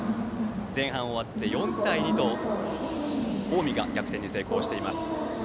前半終わって４対２と近江が逆転に成功しています。